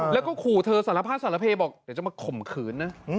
แล้วก็ขู่เธอสารภาพสารเพบอกเดี๋ยวจะมาข่มขืนนะ